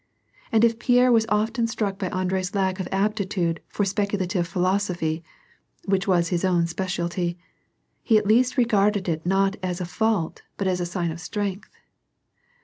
And if Pierre was often struck by Andrei's lack of siptitude for speculative philosophy — which was his own specialty — he at least regarded it not as a fault but as a sign of strength.